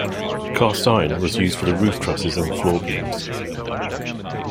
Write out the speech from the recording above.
Cast-iron was used for the roof trusses and floor beams.